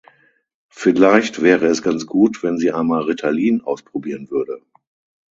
Vielleicht wäre es ganz gut, wenn sie einmal Ritalin ausprobieren würde.